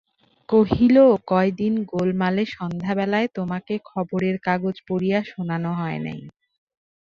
কহিল, কয়দিন গোলমালে সন্ধ্যাবেলায় তোমাকে খবরের কাগজ পড়িয়া শোনানো হয় নাই।